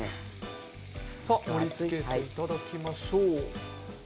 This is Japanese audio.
盛りつけていただきましょう。